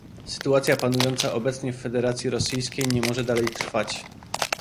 Sytuacja panująca obecnie w Federacji Rosyjskiej nie może dalej trwać